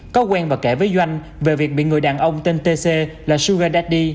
có quen và kể với doanh về việc bị người đàn ông tên t c là sugar daddy